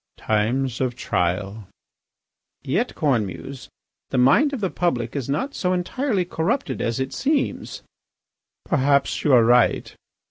..." "Times of trial." "Yet, Cornemuse, the mind of the public is not so entirely corrupted as it seems." "Perhaps you are right."